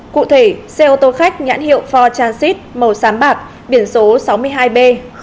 cụ thể xe ô tô khách nhãn hiệu ford transit màu xám bạc biển số sáu mươi hai b một nghìn bốn trăm sáu mươi tám